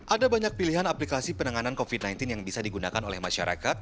ada banyak pilihan aplikasi penanganan covid sembilan belas yang bisa digunakan oleh masyarakat